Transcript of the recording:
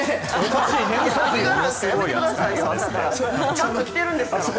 ちゃんと来てるんですから！